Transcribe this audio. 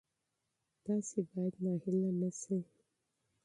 تاسي باید نا امیده نه شئ.